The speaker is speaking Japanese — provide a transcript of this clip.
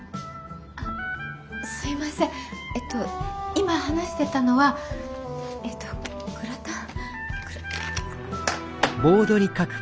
今話してたのはえっとグラタン？